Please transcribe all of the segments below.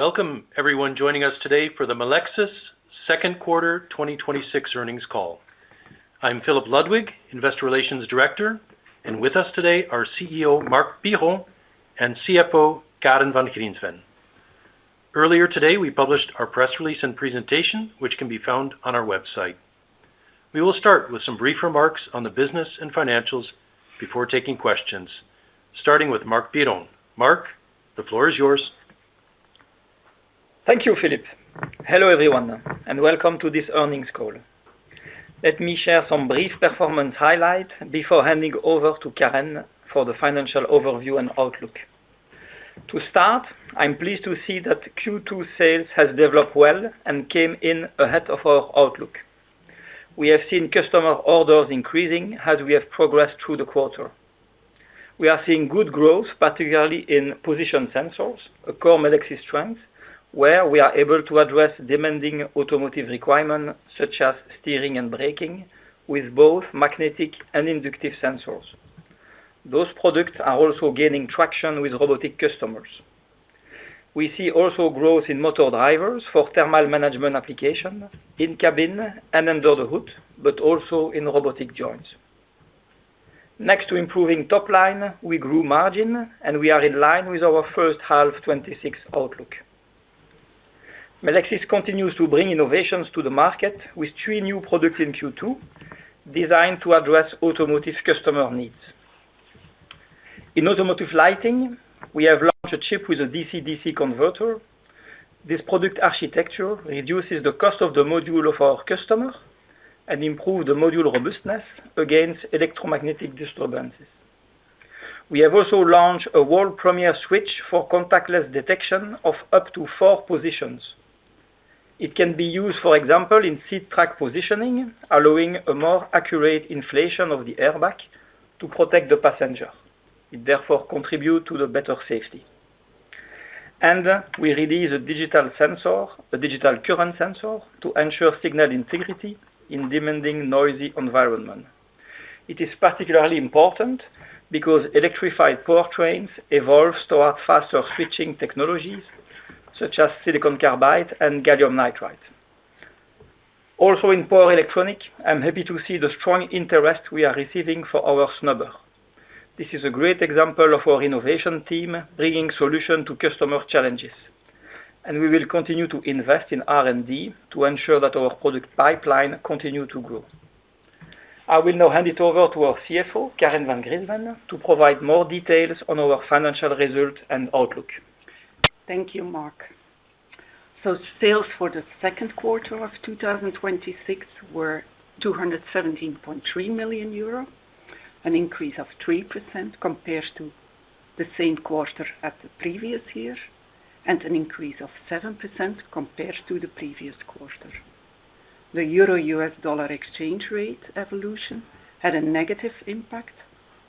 Welcome everyone joining us today for the Melexis second quarter 2026 earnings call. I'm Philip Ludwig, investor relations director, and with us today are CEO, Marc Biron and CFO, Karen Van Griensven. Earlier today, we published our press release and presentation, which can be found on our website. We will start with some brief remarks on the business and financials before taking questions, starting with Marc Biron. Marc, the floor is yours. Thank you, Philip. Hello everyone, welcome to this earnings call. Let me share some brief performance highlights before handing over to Karen for the financial overview and outlook. To start, I'm pleased to see that Q2 sales has developed well and came in ahead of our outlook. We have seen customer orders increasing as we have progressed through the quarter. We are seeing good growth, particularly in position sensors, a core Melexis strength, where we are able to address demanding automotive requirements such as steering and braking with both magnetic and inductive sensors. Those products are also gaining traction with robotic customers. We see also growth in motor drivers for thermal management application in cabin and under the hood, but also in robotic joints. Next to improving top line, we grew margin, and we are in line with our first half 2026 outlook. Melexis continues to bring innovations to the market with three new products in Q2, designed to address automotive customer needs. In automotive lighting, we have launched a chip with a DCDC converter. This product architecture reduces the cost of the module of our customer and improve the module robustness against electromagnetic disturbances. We have also launched a world premier switch for contactless detection of up to four positions. It can be used, for example, in seat track positioning, allowing a more accurate inflation of the airbag to protect the passenger, it therefore contribute to the better safety. We release a digital current sensor to ensure signal integrity in demanding noisy environment. It is particularly important because electrified powertrains evolve towards faster switching technologies such as silicon carbide and gallium nitride. Also in power electronic, I'm happy to see the strong interest we are receiving for our snubber. This is a great example of our innovation team bringing solution to customer challenges. We will continue to invest in R&D to ensure that our product pipeline continue to grow. I will now hand it over to our CFO, Karen Van Griensven, to provide more details on our financial results and outlook. Thank you, Marc. Sales for the second quarter of 2026 were 217.3 million euro, an increase of 3% compared to the same quarter of the previous year, an increase of 7% compared to the previous quarter. The euro-U.S. dollar exchange rate evolution had a negative impact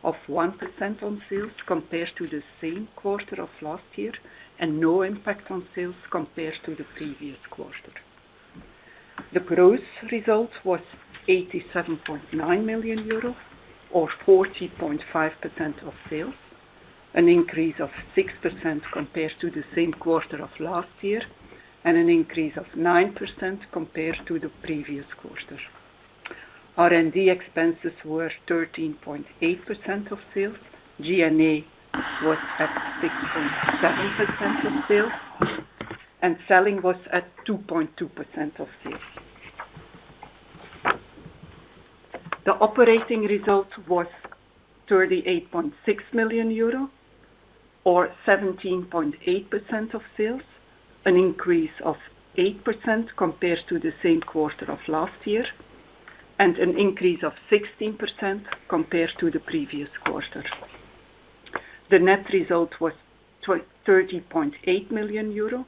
of 1% on sales compared to the same quarter of last year, and no impact on sales compared to the previous quarter. The gross result was 87.9 million euros or 40.5% of sales, an increase of 6% compared to the same quarter of last year, an increase of 9% compared to the previous quarter. R&D expenses were 13.8% of sales. G&A was at 6.7% of sales, and selling was at 2.2% of sales. The operating result was 38.6 million euro, or 17.8% of sales, an increase of 8% compared to the same quarter of last year, an increase of 16% compared to the previous quarter. The net result was 30.8 million euro,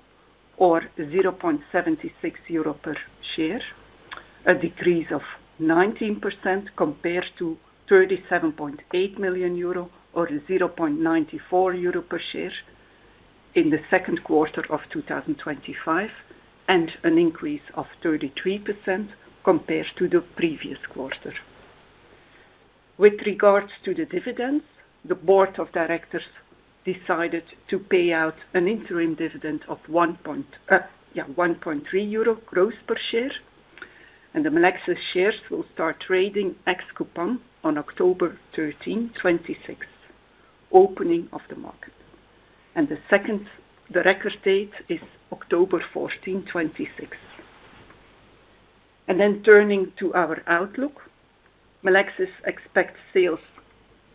or 0.76 euro per share, a decrease of 19% compared to 37.8 million euro or 0.94 euro per share in the second quarter of 2025, an increase of 33% compared to the previous quarter. With regards to the dividends, the Board of Directors decided to pay out an interim dividend of 1.3 euro gross per share. The Melexis shares will start trading ex-coupon on October 13, 2026, opening of the market. The record date is October 14, 2026. Turning to our outlook, Melexis expects sales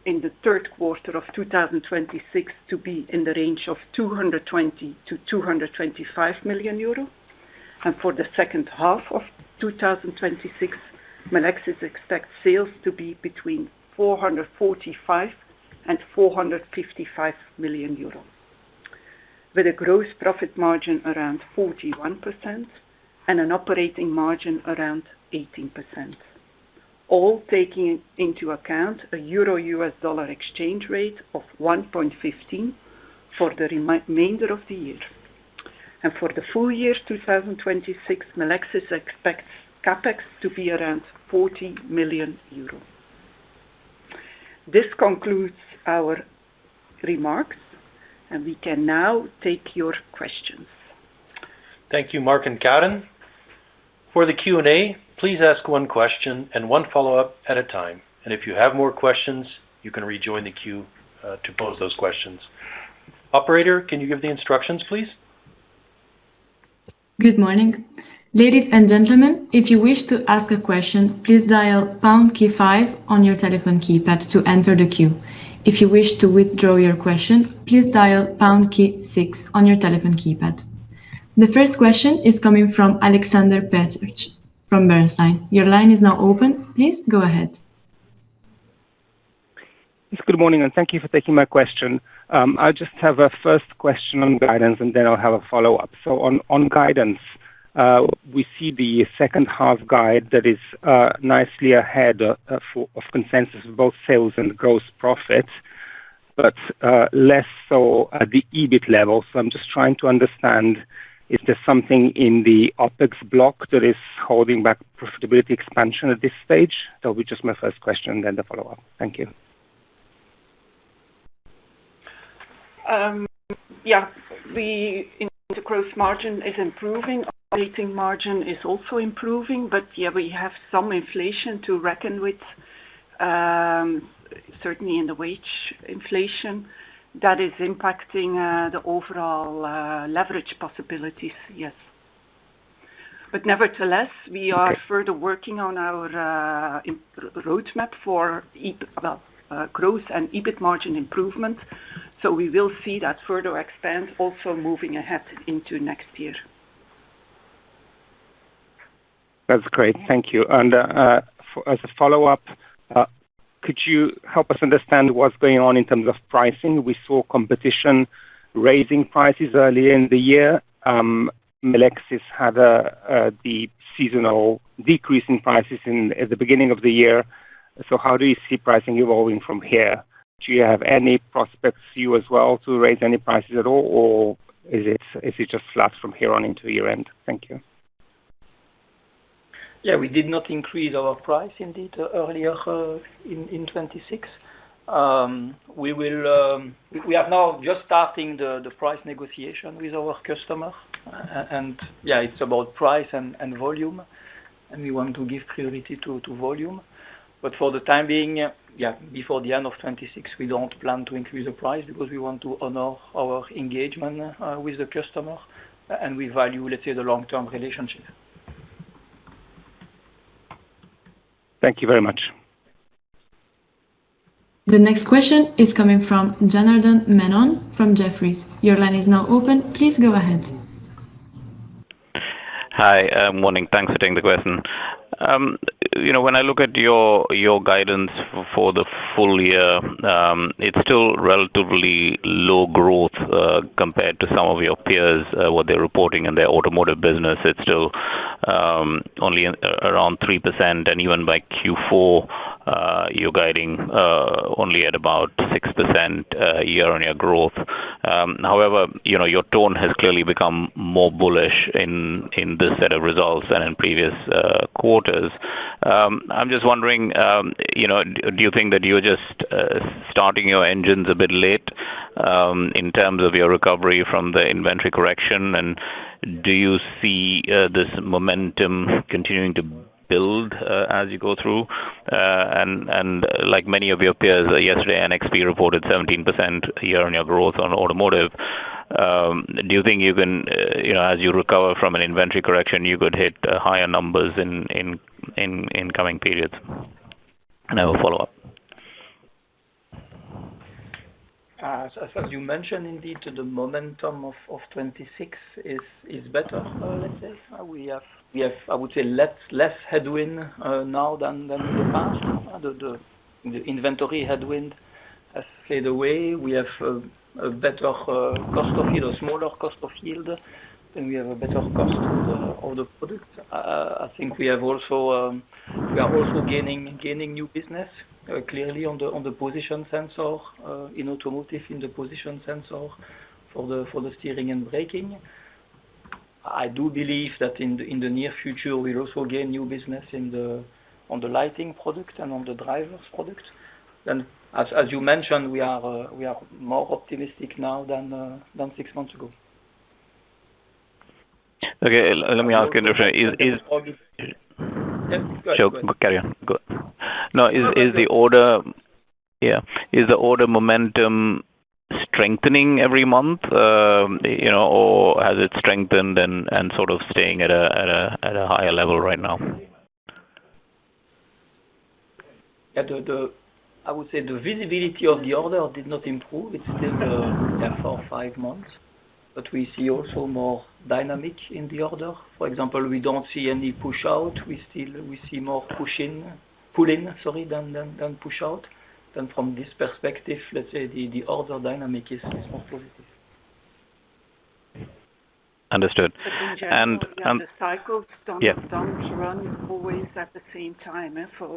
in the third quarter of 2026 to be in the range of 220 million-225 million euro. For the second half of 2026, Melexis expects sales to be between 445 million-455 million euros, with a gross profit margin around 41% and an operating margin around 18%. All taking into account a euro-U.S. dollar exchange rate of 1.15 for the remainder of the year. For the full year 2026, Melexis expects CapEx to be around 40 million euros. This concludes our remarks, and we can now take your questions. Thank you, Marc and Karen. For the Q&A, please ask one question and one follow-up at a time. If you have more questions, you can rejoin the queue to pose those questions. Operator, can you give the instructions, please? Good morning. Ladies and gentlemen, if you wish to ask a question, please dial pound key five on your telephone keypad to enter the queue. If you wish to withdraw your question, please dial pound key six on your telephone keypad. The first question is coming from Aleksander Peterc from Bernstein. Your line is now open. Please go ahead. Yes. Good morning. Thank you for taking my question. I just have a first question on guidance. Then I'll have a follow-up. On guidance, we see the second half guide that is nicely ahead of consensus, both sales and gross profit, but less so at the EBIT level. I'm just trying to understand, is there something in the OpEx block that is holding back profitability expansion at this stage? That will be just my first question. The follow-up. Thank you. The gross margin is improving. Operating margin is also improving. We have some inflation to reckon with, certainly in the wage inflation that is impacting the overall leverage possibilities. Nevertheless, we are further working on our roadmap for growth and EBIT margin improvement. We will see that further expand also moving ahead into next year. That's great. Thank you. As a follow-up, could you help us understand what's going on in terms of pricing? We saw competition raising prices earlier in the year. Melexis had the seasonal decrease in prices at the beginning of the year. How do you see pricing evolving from here? Do you have any prospects, you as well, to raise any prices at all, or is it just flat from here on into year-end? Thank you. Yeah. We did not increase our price indeed earlier in 2026. We are now just starting the price negotiation with our customer. It's about price and volume, and we want to give priority to volume. For the time being, before the end of 2026, we don't plan to increase the price because we want to honor our engagement with the customer, and we value, let's say, the long-term relationship. Thank you very much. The next question is coming from Janardan Menon from Jefferies. Your line is now open. Please go ahead. Hi. Morning. Thanks for taking the question. When I look at your guidance for the full year, it's still relatively low growth compared to some of your peers, what they're reporting in their automotive business. It's still only around 3%, and even by Q4, you're guiding only at about 6% year-on-year growth. Your tone has clearly become more bullish in this set of results than in previous quarters. I'm just wondering, do you think that you're just starting your engines a bit late in terms of your recovery from the inventory correction, and do you see this momentum continuing to build as you go through? Like many of your peers yesterday, NXP reported 17% year-on-year growth on automotive. Do you think as you recover from an inventory correction, you could hit higher numbers in incoming periods? I have a follow-up. As you mentioned, indeed, the momentum of 2026 is better. Let's say we have, I would say, less headwind now than in the past. The inventory headwind has faded away. We have a better cost of yield, a smaller cost of yield, and we have a better cost of the product. I think we are also gaining new business, clearly on the position sensor in automotive, in the position sensor for the steering and braking. I do believe that in the near future, we'll also gain new business on the lighting product and on the driver's product. As you mentioned, we are more optimistic now than six months ago. Okay. Let me ask you. Yes. Go ahead. Carry on. Go. Is the order momentum strengthening every month, or has it strengthened and sort of staying at a higher level right now? I would say the visibility of the order did not improve. It is still there for five months, we see also more dynamic in the order. For example, we do not see any push-out. We see more push in, pull in, sorry, than push out. From this perspective, let us say the order dynamic is more positive. Understood. In general, the cycles do not run always at the same time.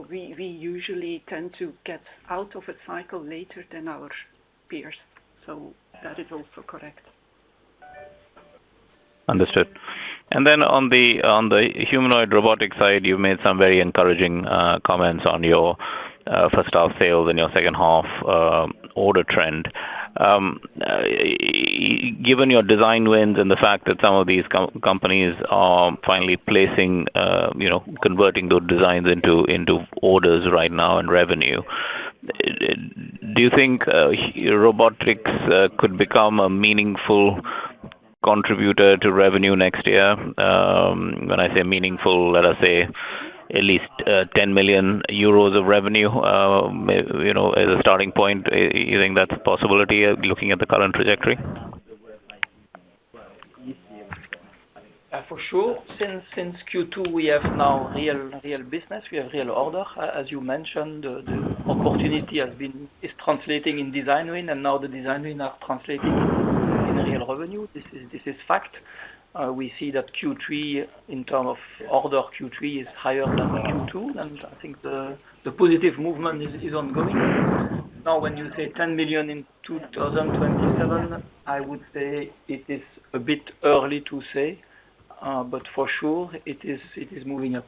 We usually tend to get out of a cycle later than our peers. That is also correct. Understood. Then on the humanoid robotic side, you have made some very encouraging comments on your first half sales and your second half order trend. Given your design wins and the fact that some of these companies are finally converting those designs into orders right now and revenue, do you think robotics could become a meaningful contributor to revenue next year? When I say meaningful, let us say at least 10 million euros of revenue, as a starting point. You think that is a possibility looking at the current trajectory? For sure. Since Q2, we have now real business. We have real order. As you mentioned, the opportunity is translating in design win, now the design win are translating in real revenue. This is fact. We see that Q3, in term of order, Q3 is higher than the Q2, I think the positive movement is ongoing. When you say 10 million in 2027, I would say it is a bit early to say, for sure it is moving up.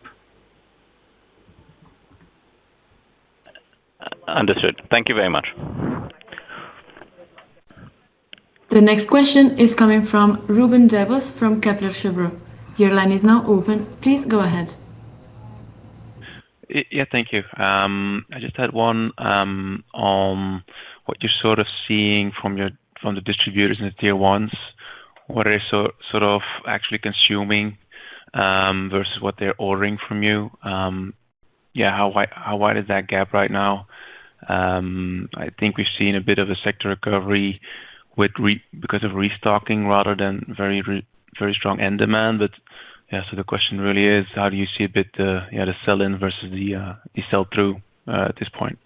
Understood. Thank you very much. The next question is coming from Ruben Devos from Kepler Cheuvreux. Your line is now open. Please go ahead. Thank you. I just had one on what you're sort of seeing from the distributors and the Tier Ones. What are they sort of actually consuming versus what they're ordering from you? How wide is that gap right now? I think we've seen a bit of a sector recovery because of restocking rather than very strong end demand. The question really is how do you see a bit the sell-in versus the sell-through at this point?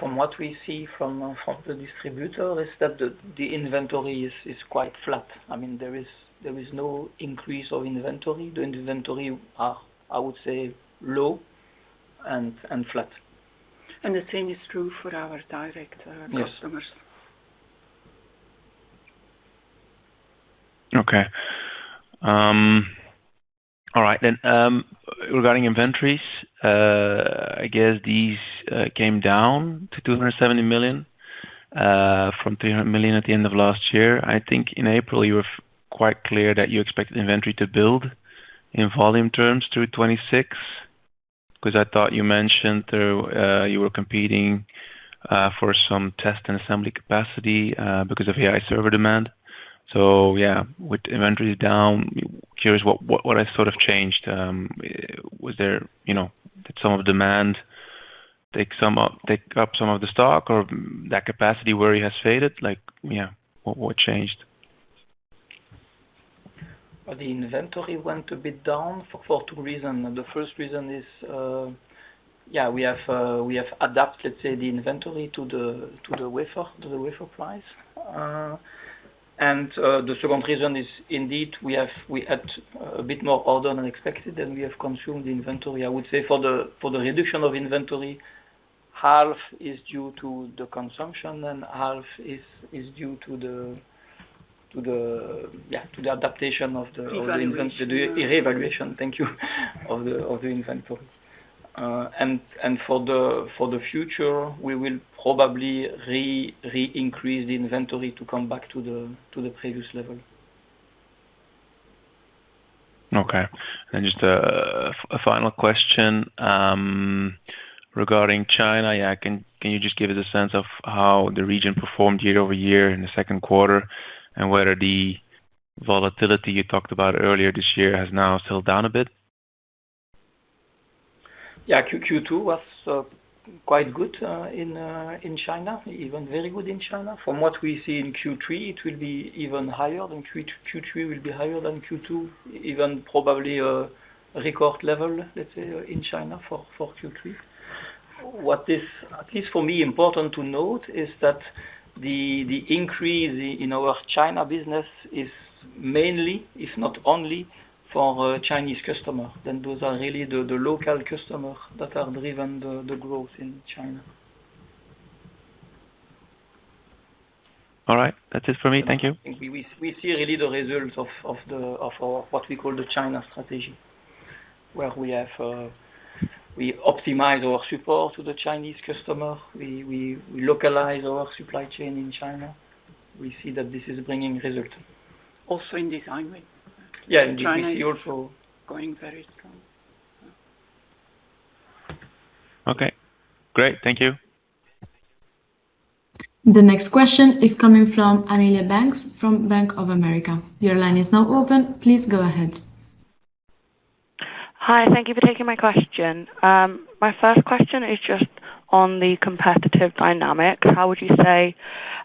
From what we see from the distributor is that the inventory is quite flat. There is no increase of inventory. The inventory are, I would say, low and flat. The same is true for our direct customers. Okay. All right, regarding inventories, I guess these came down to 270 million, from 300 million at the end of last year. I think in April you were quite clear that you expected inventory to build in volume terms through 2026, because I thought you mentioned you were competing for some test and assembly capacity because of AI server demand. Yeah. With inventories down, curious what has sort of changed. Did some of the demand take up some of the stock, or that capacity worry has faded? What changed? The inventory went a bit down for two reasons. The first reason is, we have adapted, let's say, the inventory to the wafer price. The second reason is indeed, we had a bit more order than expected, and we have consumed the inventory. I would say for the reduction of inventory, half is due to the consumption and half is due to the adaptation of the inventory. Revaluation. Revaluation, thank you, of the inventory. For the future, we will probably re-increase the inventory to come back to the previous level. Okay. Just a final question, regarding China. Can you just give us a sense of how the region performed year-over-year in the second quarter, and whether the volatility you talked about earlier this year has now settled down a bit? Yeah. Q2 was quite good in China, even very good in China. What we see in Q3, it will be even higher, Q3 will be higher than Q2, even probably a record level, let's say, in China for Q3. What is, at least for me, important to note is that the increase in our China business is mainly, if not only, for Chinese customers. Those are really the local customers that are driving the growth in China. All right. That's it for me. Thank you. We see really the results of our, what we call the China strategy, where we optimize our support to the Chinese customer. We localize our supply chain in China. We see that this is bringing result. In design win. Yeah, also- China is also going very strong. Okay, great. Thank you. The next question is coming from Amelia Banks from Bank of America. Your line is now open. Please go ahead. Hi. Thank you for taking my question. My first question is just on the competitive dynamic. How would you say,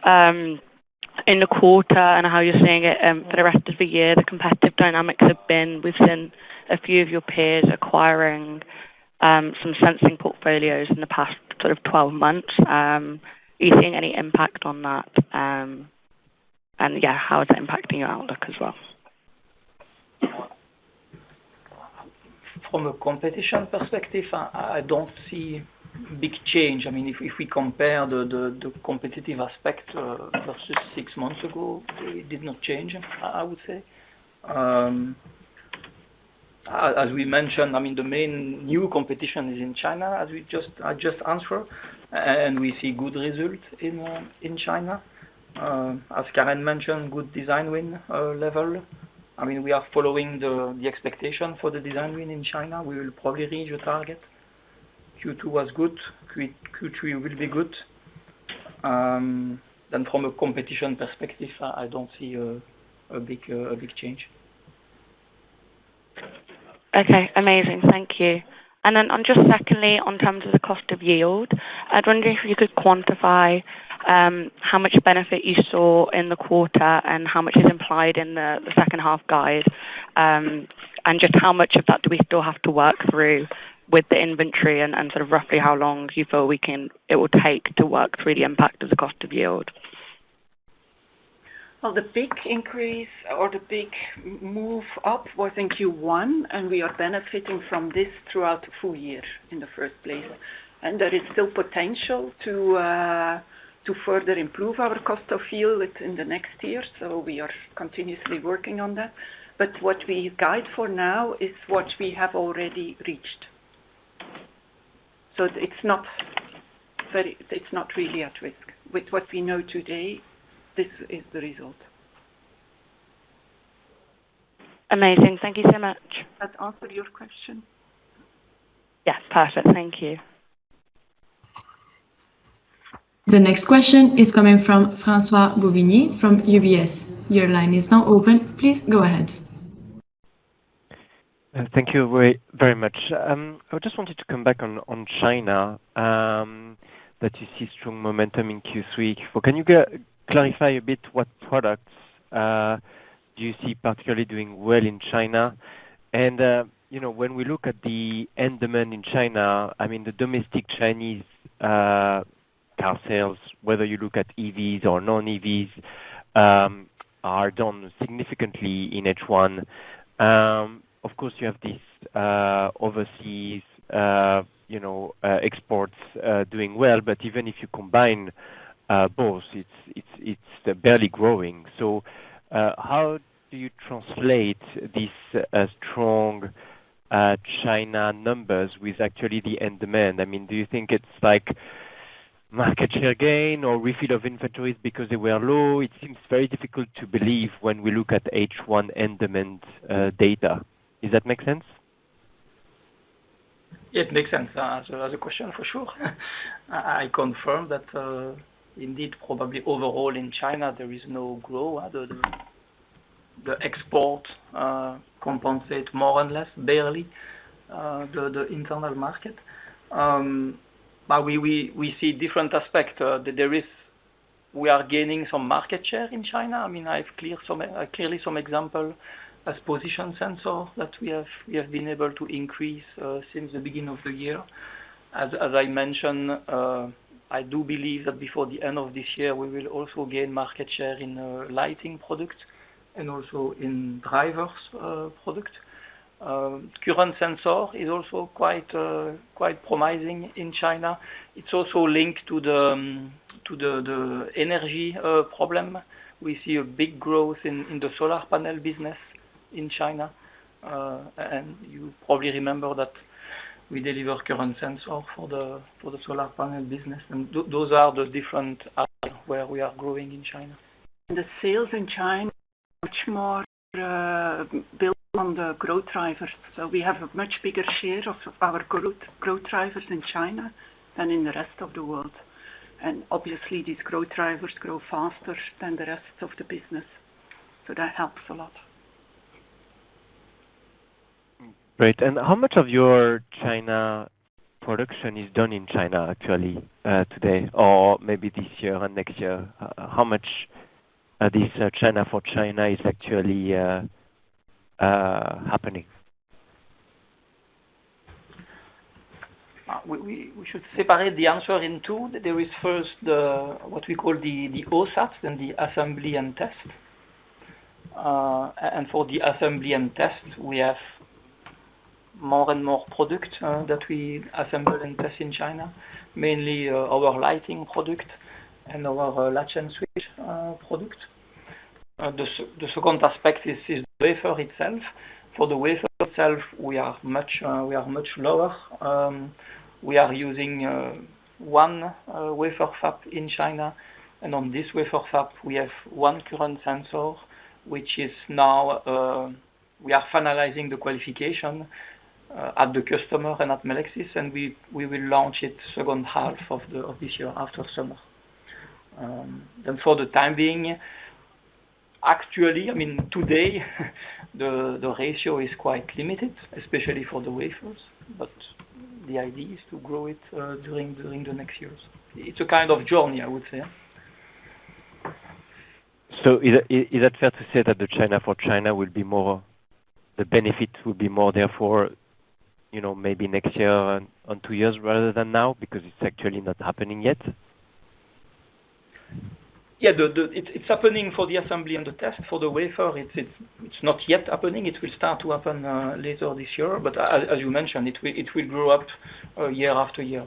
in the quarter, and how you're seeing it for the rest of the year, the competitive dynamics have been within a few of your peers acquiring some sensing portfolios in the past 12 months. Are you seeing any impact on that? How is that impacting your outlook as well? From a competition perspective, I don't see a big change. If we compare the competitive aspect versus six months ago, it did not change, I would say. As we mentioned, the main new competition is in China as I just answered. We see good results in China. As Karen mentioned, good design win level. We are following the expectation for the design win in China. We will probably reach the target. Q2 was good. Q3 will be good. From a competition perspective, I don't see a big change. Okay, amazing. Thank you. Just secondly, on terms of the cost of yield, I'd wonder if you could quantify how much benefit you saw in the quarter and how much is implied in the second half guide, and just how much of that do we still have to work through with the inventory and sort of roughly how long do you feel it will take to work through the impact of the cost of yield? The big increase or the big move up was in Q1. We are benefiting from this throughout the full year in the first place. There is still potential to further improve our cost of yield in the next year. We are continuously working on that. What we guide for now is what we have already reached. It's not really at risk. With what we know today, this is the result. Amazing. Thank you so much. Does that answer your question? Yes. Perfect. Thank you. The next question is coming from Francois-Xavier Bouvignies from UBS. Your line is now open. Please go ahead. Thank you very much. I just wanted to come back on China, that you see strong momentum in Q3. Can you clarify a bit what products do you see particularly doing well in China? When we look at the end demand in China, the domestic Chinese car sales, whether you look at EVs or non-EVs, are down significantly in H1. Of course, you have these overseas exports doing well. Even if you combine both, it's barely growing. How do you translate these strong China numbers with actually the end demand? Do you think it's market share gain or refill of inventories because they were low? It seems very difficult to believe when we look at H1 end demand data. Does that make sense? It makes sense as a question for sure. I confirm that indeed, probably overall in China, there is no growth. The export compensate more or less barely the internal market. We see different aspect. We are gaining some market share in China. I have clearly some example as position sensor that we have been able to increase since the beginning of the year. As I mentioned, I do believe that before the end of this year, we will also gain market share in lighting product and also in drivers product. Current sensor is also quite promising in China. It's also linked to the energy problem. We see a big growth in the solar panel business in China. You probably remember that we deliver current sensor for the solar panel business, and those are the different areas where we are growing in China. The sales in China are much more built on the growth drivers. We have a much bigger share of our growth drivers in China than in the rest of the world. Obviously, these growth drivers grow faster than the rest of the business, so that helps a lot. Great. How much of your China production is done in China actually today or maybe this year and next year? How much this China for China is actually happening? We should separate the answer in two. There is first what we call the OSAT and the assembly and test. For the assembly and test, we have more and more product that we assemble and test in China, mainly our lighting product and our latch and switch product. The second aspect is wafer itself. For the wafer itself, we are much lower. We are using one wafer fab in China. On this wafer fab, we have one current sensor, which is now we are finalizing the qualification at the customer and at Melexis, and we will launch it second half of this year after summer. For the time being, actually, today the ratio is quite limited, especially for the wafers, but the idea is to grow it during the next years. It's a kind of journey, I would say. Is that fair to say that the China for China, the benefit will be more therefore maybe next year or two years rather than now because it's actually not happening yet? Yeah, it's happening for the assembly and the test. For the wafer, it's not yet happening. It will start to happen later this year, but as you mentioned, it will grow up year-after-year.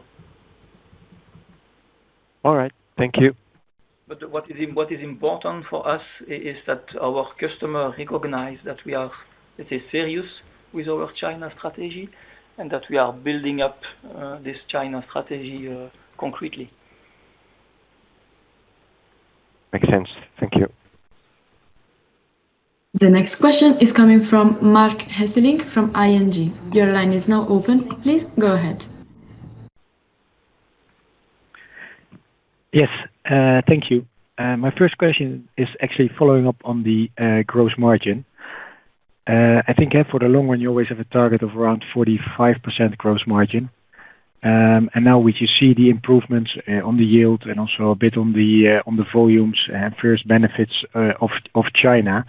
All right. Thank you. what is important for us is that our customer recognize that we are serious with our China strategy, and that we are building up this China strategy concretely. Makes sense. Thank you. The next question is coming from Marc Hesselink from ING. Your line is now open. Please go ahead. Yes. Thank you. My first question is actually following up on the gross margin. I think, Marc, for the long run, you always have a target of around 45% gross margin. Now we can see the improvements on the yield and also a bit on the volumes and first benefits of China.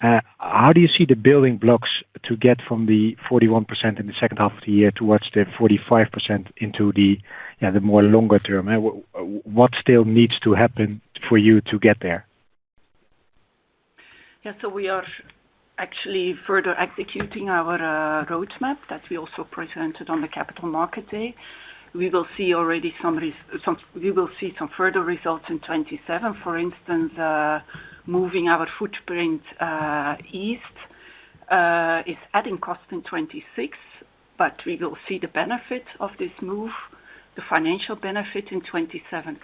How do you see the building blocks to get from the 41% in the second half of the year towards the 45% into the more longer term? What still needs to happen for you to get there? We are actually further executing our roadmap that we also presented on the Capital Markets Day. We will see some further results in 2027. For instance, moving our footprint east, is adding cost in 2026, but we will see the benefit of this move, the financial benefit in 2027.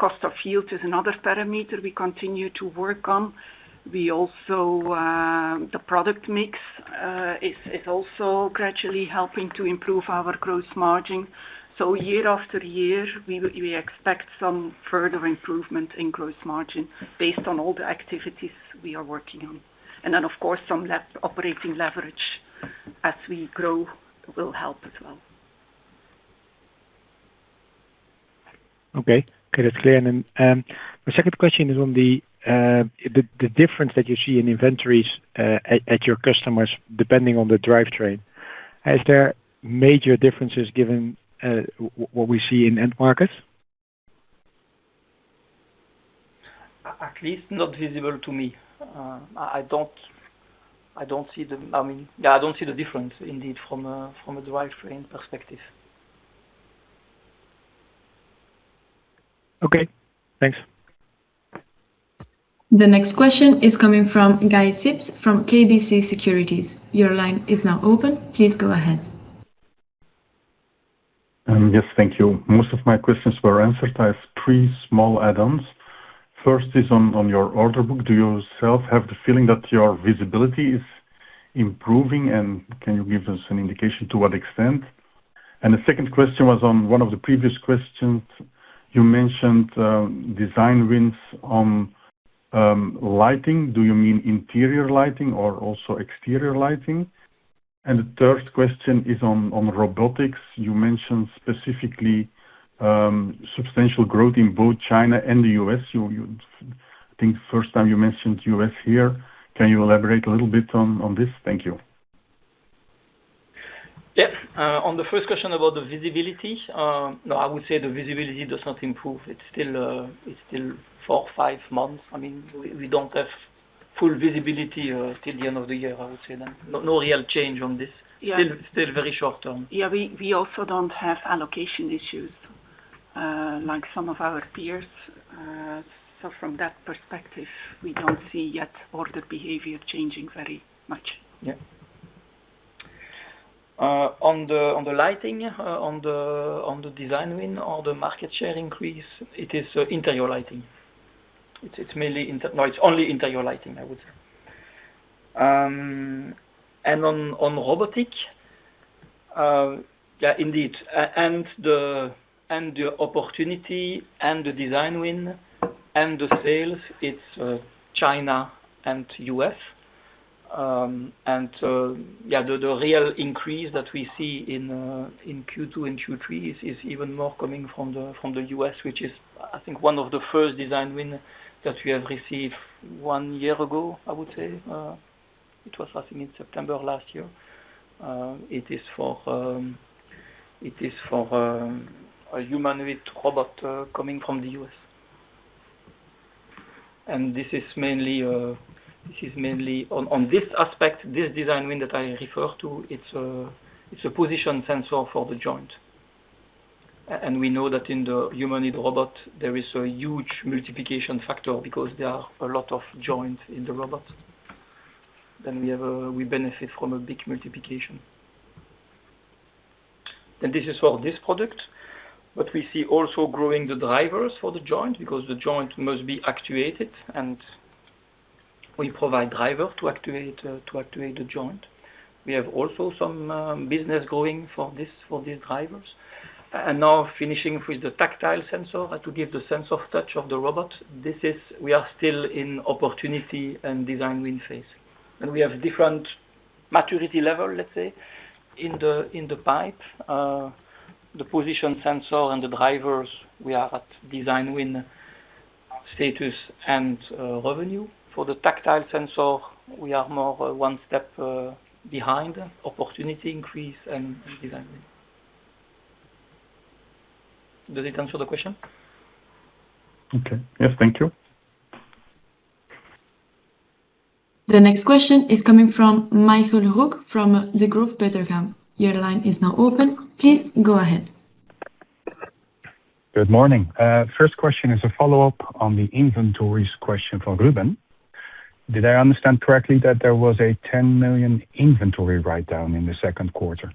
Cost of yield is another parameter we continue to work on. The product mix is also gradually helping to improve our gross margin. Year-after-year, we expect some further improvement in gross margin based on all the activities we are working on. Of course, some operating leverage as we grow will help as well. Okay. That's clear. My second question is on the difference that you see in inventories at your customers, depending on the drivetrain. Is there major differences given what we see in end markets? At least not visible to me. I don't see the difference indeed from a drivetrain perspective. Okay, thanks. The next question is coming from Guy Sips from KBC Securities. Your line is now open. Please go ahead. Yes, thank you. Most of my questions were answered. I have three small add-ons. First is on your order book. Do you yourself have the feeling that your visibility is improving, and can you give us an indication to what extent? The second question was on one of the previous questions. You mentioned design wins on lighting. Do you mean interior lighting or also exterior lighting? The third question is on robotics. You mentioned specifically substantial growth in both China and the U.S. I think first time you mentioned U.S. here. Can you elaborate a little bit on this? Thank you. Yes. On the first question about the visibility, no, I would say the visibility does not improve. It's still four or five months. We don't have full visibility till the end of the year, I would say. No real change on this. Yeah. Still very short term. Yeah, we also don't have allocation issues like some of our peers. From that perspective, we don't see yet order behavior changing very much. Yeah. On the lighting, on the design win or the market share increase, it is interior lighting. It's only interior lighting, I would say. On robotic, yeah, indeed. The opportunity and the design win and the sales, it's China and U.S. The real increase that we see in Q2 and Q3 is even more coming from the U.S., which is I think one of the first design win that we have received one year ago, I would say. It was, I think, in September of last year. It is for a humanoid robot coming from the U.S. This is mainly on this aspect, this design win that I refer to, it's a position sensor for the joint. We know that in the humanoid robot, there is a huge multiplication factor because there are a lot of joints in the robot. We benefit from a big multiplication. This is for this product, but we see also growing the drivers for the joint because the joint must be actuated, and we provide driver to actuate the joint. We have also some business growing for these drivers. Now finishing with the tactile sensor to give the sense of touch of the robot. We are still in opportunity and design win phase. We have different maturity level, let's say, in the pipe. The position sensor and the drivers, we are at design win status and revenue. For the tactile sensor, we are more one step behind. Opportunity increase and design win. Does it answer the question? Okay. Yes. Thank you. The next question is coming from Michael Roeg from Degroof Petercam. Your line is now open. Please go ahead. Good morning. First question is a follow-up on the inventories question for Ruben. Did I understand correctly that there was a 10 million inventory write-down in the second quarter?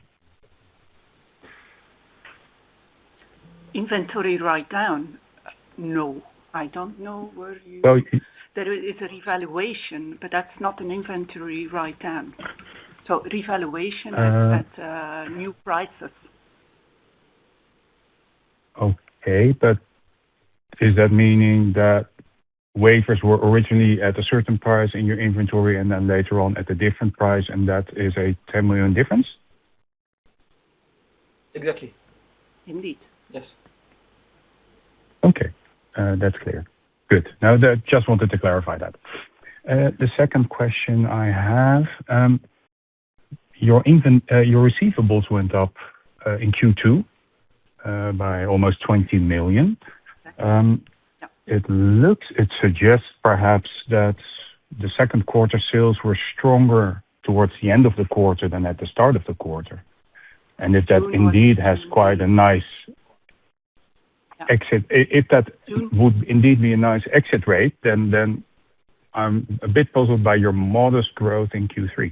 Inventory write-down? No. I don't know where you Well, it- There is a revaluation, that's not an inventory write-down. So revaluation at a new prices. Okay. Is that meaning that wafers were originally at a certain price in your inventory and then later on at a different price, and that is a 10 million difference? Exactly. Indeed. Yes. Okay. That's clear. Good. Just wanted to clarify that. The second question I have, your receivables went up in Q2 by almost 20 million. Yes. It suggests perhaps that the second quarter sales were stronger towards the end of the quarter than at the start of the quarter. If that would indeed be a nice exit rate, I'm a bit puzzled by your modest growth in Q3.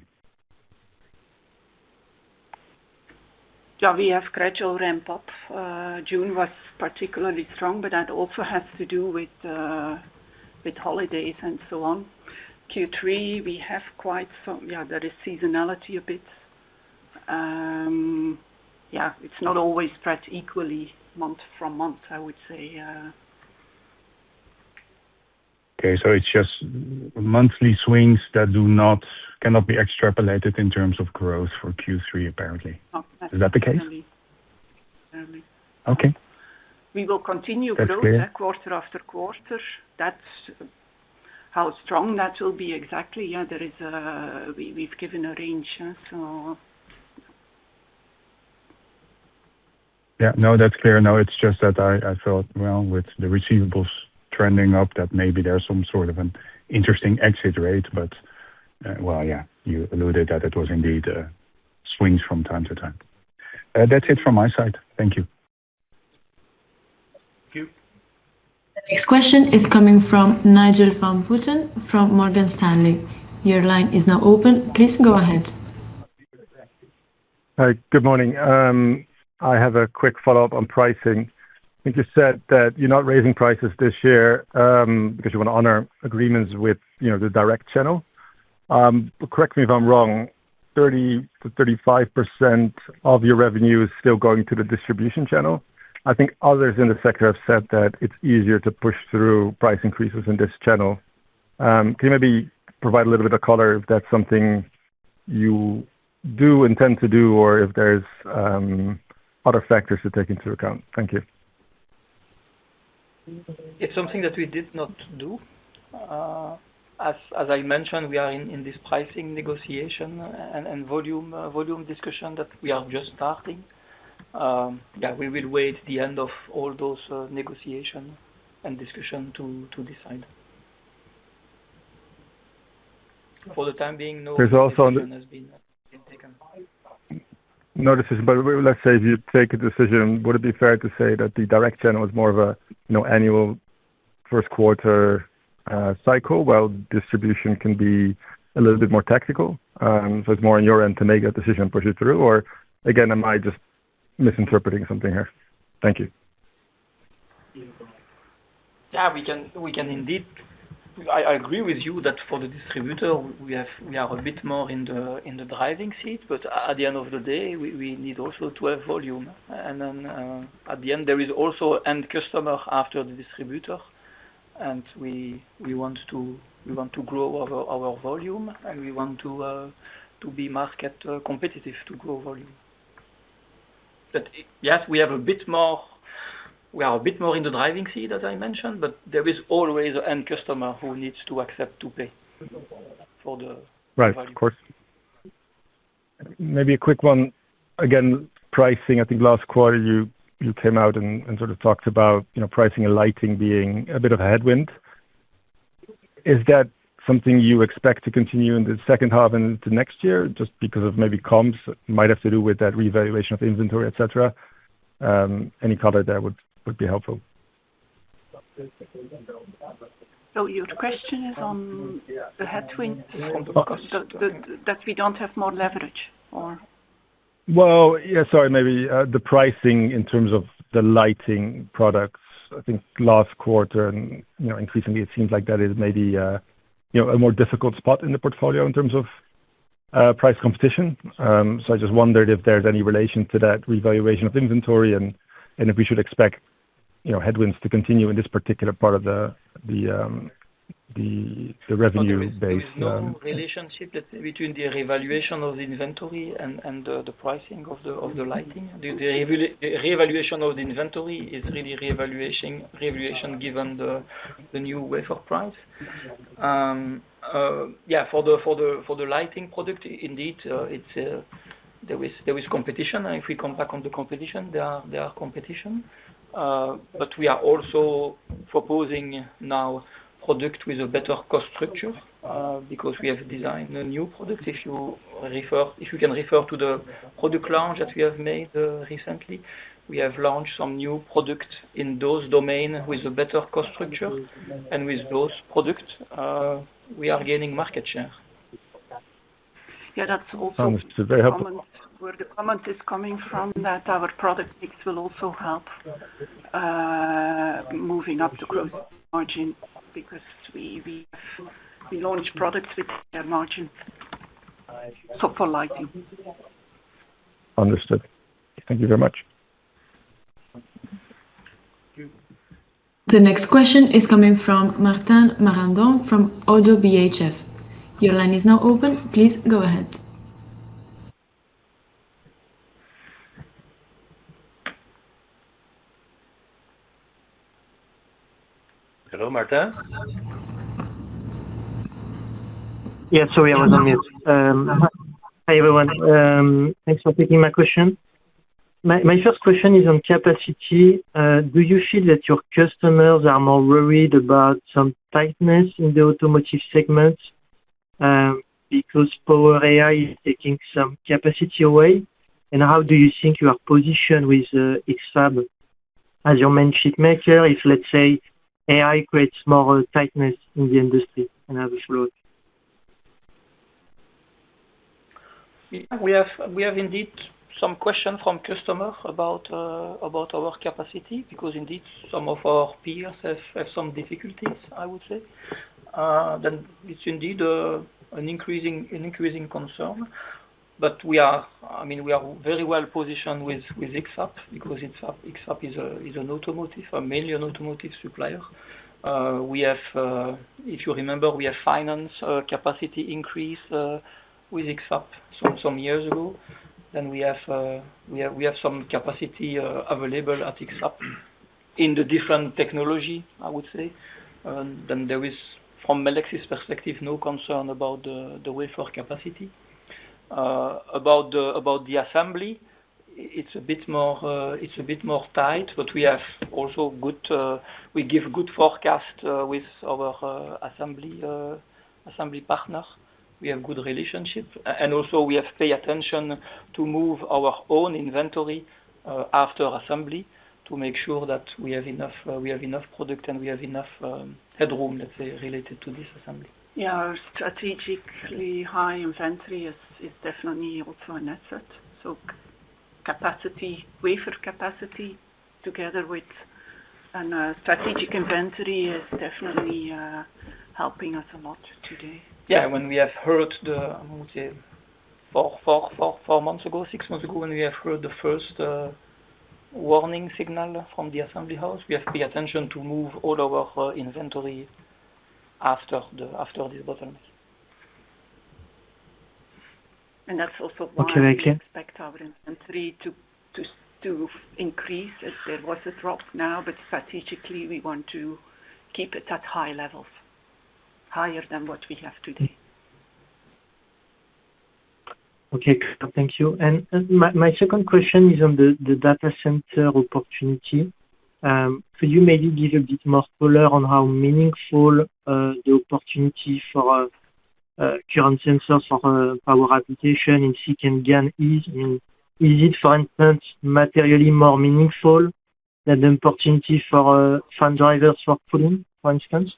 We have gradual ramp-up. June was particularly strong, that also has to do with holidays and so on. Q3, there is seasonality a bit. Yeah, it's not always spread equally month-from-month, I would say. Okay. It's just monthly swings that cannot be extrapolated in terms of growth for Q3, apparently. Absolutely. Is that the case? Absolutely. Okay. We will continue growing- That's clear. ...quarter-after-quarter. How strong that will be exactly, we've given a range. Yeah. No, that's clear. No, it's just that I felt, well, with the receivables trending up that maybe there's some sort of an interesting exit rate, well, yeah, you alluded that it was indeed swings from time to time. That's it from my side. Thank you. Thank you. The next question is coming from Nigel van Putten from Morgan Stanley. Your line is now open. Please go ahead. Good morning. I have a quick follow-up on pricing. I think you said that you're not raising prices this year, because you want to honor agreements with the direct channel. Correct me if I'm wrong, 30%-35% of your revenue is still going to the distribution channel. I think others in the sector have said that it's easier to push through price increases in this channel. Can you maybe provide a little bit of color if that's something you do intend to do or if there's other factors to take into account? Thank you. It's something that we did not do. As I mentioned, we are in this pricing negotiation and volume discussion that we are just starting. We will wait the end of all those negotiation and discussion to decide. There's also- Decision has been taken. No decision. Let's say if you take a decision, would it be fair to say that the direct channel is more of a annual first quarter cycle, while distribution can be a little bit more tactical? It's more on your end to make a decision and push it through, or again, am I just misinterpreting something here? Thank you. Yeah, we can indeed. I agree with you that for the distributor, we are a bit more in the driving seat, at the end of the day, we need also to have volume. At the end, there is also end customer after the distributor, and we want to grow our volume, and we want to be market competitive to grow volume. Yes, we are a bit more in the driving seat, as I mentioned, but there is always an end customer who needs to accept to pay for the volume. Right. Of course. Maybe a quick one. Pricing, I think last quarter you came out and sort of talked about pricing and lighting being a bit of a headwind. Is that something you expect to continue in the second half and into next year just because of maybe comps might have to do with that revaluation of inventory, etc? Any color there would be helpful. Your question is on the headwind? On the cost. That we don't have more leverage, or? Well, yeah, sorry. Maybe the pricing in terms of the lighting products, I think last quarter and increasingly it seems like that is maybe a more difficult spot in the portfolio in terms of price competition. I just wondered if there's any relation to that revaluation of inventory and if we should expect headwinds to continue in this particular part of the revenue based. There is no relationship between the revaluation of the inventory and the pricing of the lighting? The revaluation of the inventory is really revaluation given the new wafer price. Yeah, for the lighting product, indeed, there is competition. If we come back on the competition, there are competition. We are also proposing now product with a better cost structure, because we have designed a new product. If you can refer to the product launch that we have made recently, we have launched some new product in those domain with a better cost structure. With those products, we are gaining market share. Yeah- Understood. Very helpful. ...where the comment is coming from, that our product mix will also help moving up the gross margin because we launch products with higher margins. For lighting. Understood. Thank you very much. The next question is coming from Martin Marandon-Carlhian from ODDO BHF. Your line is now open. Please go ahead. Hello, Martin? Yeah, sorry, I was on mute. Hi, everyone. Thanks for taking my question. My first question is on capacity. Do you feel that your customers are more worried about some tightness in the automotive segment, because power AI is taking some capacity away? How do you think you are positioned with X-FAB as your main chip maker, if, let's say, AI creates more tightness in the industry and other flows? We have indeed some question from customer about our capacity because indeed, some of our peers have some difficulties, I would say. It's indeed an increasing concern. We are very well-positioned with X-FAB because X-FAB is a mainly an automotive supplier. If you remember, we have finance capacity increase with X-FAB some years ago, we have some capacity available at X-FAB in the different technology, I would say. There is, from Melexis perspective, no concern about the wafer capacity. About the assembly, it's a bit more tight, but we give good forecast with our assembly partner. We have good relationships, also we have pay attention to move our own inventory after assembly to make sure that we have enough product and we have enough headroom, let's say, related to this assembly. Yeah. Strategically, high inventory is definitely also an asset. Wafer capacity together with a strategic inventory is definitely helping us a lot today. Four, six months ago, when we have heard the first warning signal from the assembly house, we have pay attention to move all our inventory after this bottom. Okay [inaudible] We expect our inventory to increase as there was a drop now, but strategically, we want to keep it at high levels, higher than what we have today. Okay. Thank you. My second question is on the data center opportunity. Could you maybe give a bit more color on how meaningful the opportunity for current sensors for power application in SiC and GaN is? Is it, for instance, materially more meaningful than the opportunity for fan drivers for cooling, for instance?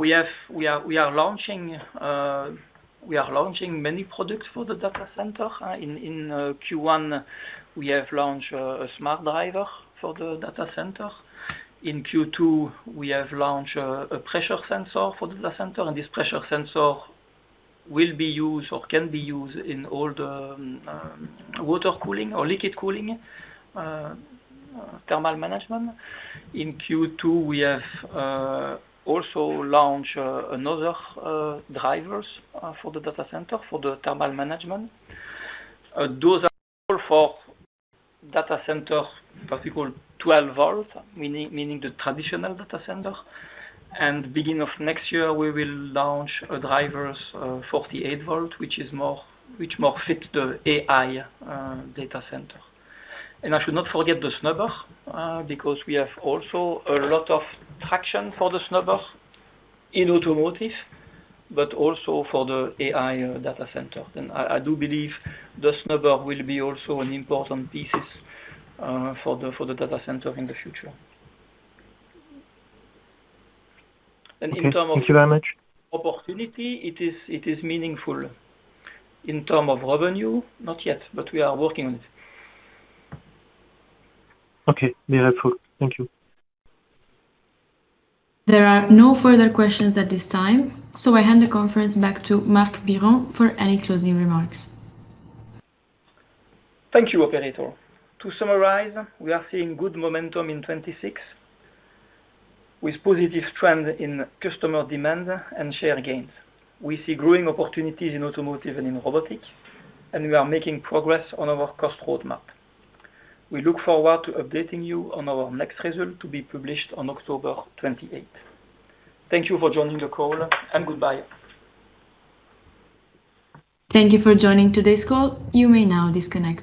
We are launching many products for the data center. In Q1, we have launched a smart driver for the data center. In Q2, we have launched a pressure sensor for data center. This pressure sensor will be used or can be used in all the water cooling or liquid cooling, thermal management. In Q2, we have also launched another drivers for the data center, for the thermal management. Those are for data center, what we call 12 volt, meaning the traditional data center. Beginning of next year, we will launch a driver's 48 volt, which more fit the AI data center. I should not forget the snubber, because we have also a lot of traction for the snubber in automotive, but also for the AI data center. I do believe the snubber will be also an important piece for the data center in the future. Okay. Thank you very much. In terms of opportunity, it is meaningful. In terms of revenue, not yet, but we are working on it. Okay. Very helpful. Thank you. There are no further questions at this time, so I hand the conference back to Marc Biron for any closing remarks. Thank you, operator. To summarize, we are seeing good momentum in 2026 with positive trend in customer demand and share gains. We see growing opportunities in automotive and in robotics, and we are making progress on our cost roadmap. We look forward to updating you on our next result to be published on October 28. Thank you for joining the call, and goodbye. Thank you for joining today's call. You may now disconnect.